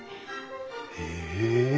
へえ！